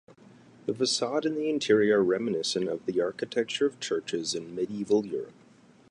The facade and interior are reminiscent of the architecture of churches in Medieval Europe.